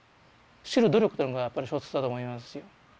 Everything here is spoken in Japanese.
知る努力というのがやっぱり小説だと思いますし。